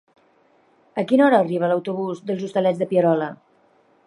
A quina hora arriba l'autobús dels Hostalets de Pierola?